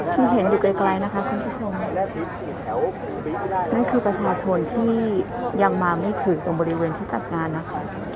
ที่เห็นอยู่ไกลนะคะคุณผู้ชมนั่นคือประชาชนที่ยังมาไม่ถึงตรงบริเวณที่จัดงานนะคะ